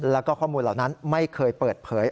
แล้วก็ข้อมูลเหล่านั้นไม่เคยเปิดเผย